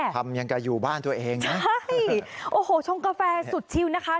ทำอย่างกับอยู่บ้านตัวเองนะใช่โอ้โหชงกาแฟสุดชิวนะคะ